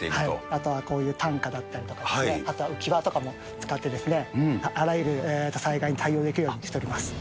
あとはこういう担架だったりとか、あとは浮き輪とかも使ってですね、あらゆる災害に対応できるようにしております。